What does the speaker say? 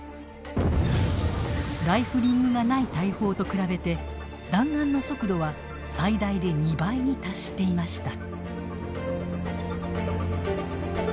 ライフリングがない大砲と比べて弾丸の速度は最大で２倍に達していました。